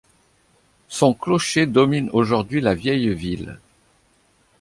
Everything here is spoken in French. Son clocher domine aujourd'hui la vieille ville.